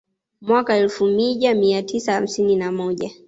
Mwaka elfu mija mia tisa hamsini na moja